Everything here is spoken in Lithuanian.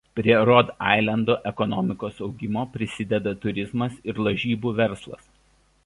Prie Rod Ailando ekonomikos augimo prisideda turizmas ir lažybų verslas.